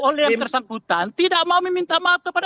oleh yang bersambutan tidak mau meminta maaf kepada anda